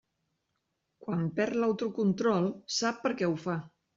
Quan perd l'autocontrol sap per què ho fa.